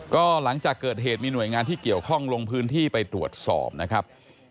ก็หลังจากเกิดเหตุมีหน่วยงานที่เกี่ยวข้องลงพื้นที่ไปตรวจสอบนะครับ